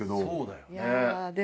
で